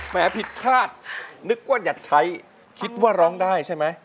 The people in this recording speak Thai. ผิดคาดนึกว่าอยากใช้คิดว่าร้องได้ใช่ไหม